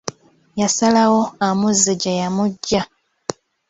Yasalawo amuzze gye yamuggya.